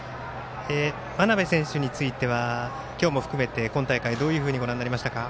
真鍋選手については今日も含めて今大会どういうふうにご覧になりましたか。